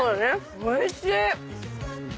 おいしい！